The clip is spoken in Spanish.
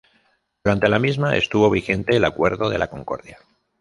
Durante la misma estuvo vigente el Acuerdo de la Concordia.